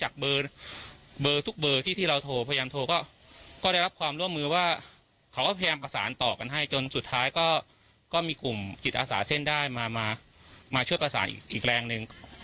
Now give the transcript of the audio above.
ก็ได้รับความร่วมมือว่าเขาก็พยายามประสานต่อกันให้จนสุดท้ายก็ก็มีกลุ่มกิจอาสาเส้นได้มามามาช่วยประสานอีกแรงหนึ่ง